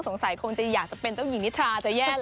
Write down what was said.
สงสัยคงจะอยากจะเป็นเจ้าหญิงนิทราจะแย่แล้ว